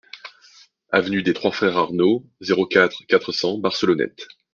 Avenue des Trois Frères Arnaud, zéro quatre, quatre cents Barcelonnette